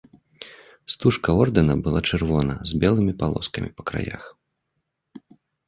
Стужка ордэна была чырвона з белымі палоскамі па краях.